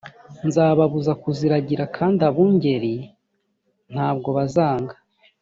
nzababuza kuziragira kandi abungeri ntabwo bazanga